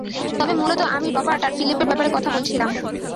তবে মূলত, আমি রবার্ট আর ফিলিপের ব্যাপারে কথা বলছিলাম।